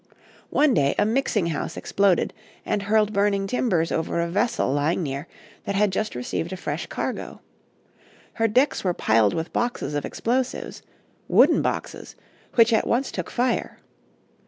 One day a mixing house exploded, and hurled burning timbers over a vessel lying near that had just received a fresh cargo. Her decks were piled with boxes of explosives wooden boxes, which at once took fire.